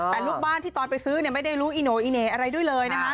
แต่ลูกบ้านที่ตอนไปซื้อไม่ได้รู้อีโน่อีเหน่อะไรด้วยเลยนะคะ